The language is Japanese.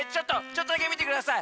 ちょっとだけみてください。